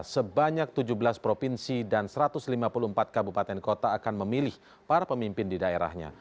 sebanyak tujuh belas provinsi dan satu ratus lima puluh empat kabupaten kota akan memilih para pemimpin di daerahnya